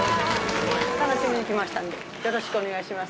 楽しみに来ましたんで、よろしくお願いします。